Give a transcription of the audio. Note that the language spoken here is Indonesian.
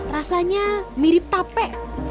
rasanya mirip tape